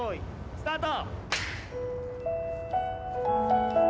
スタート。